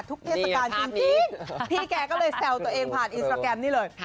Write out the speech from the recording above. เทศกาลจริงพี่แกก็เลยแซวตัวเองผ่านอินสตราแกรมนี่เลย